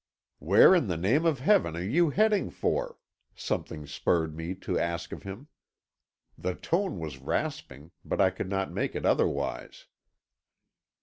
"Where in the name of Heaven are you heading for?" something spurred me to ask of him. The tone was rasping, but I could not make it otherwise.